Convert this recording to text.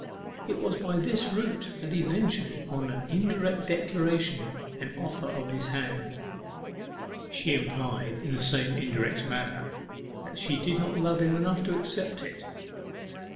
It was by this route that he ventured on an indirect declaration and offer of his hand. She implied in the same indirect manner that she did not love him enough to accept it.